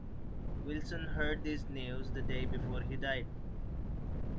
Wilson heard this news the day before he died.